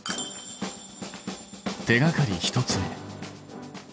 手がかり１つ目。